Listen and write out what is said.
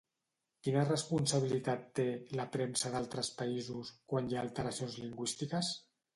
Quina responsabilitat té, la premsa d'altres països, quan hi ha alteracions lingüístiques?